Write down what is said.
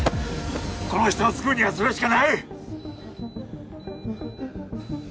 この人を救うにはそれしかない！